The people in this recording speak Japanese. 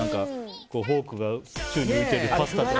フォークが宙に浮いてるパスタとか。